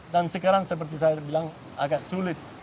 dan sekarang seperti saya bilang agak sulit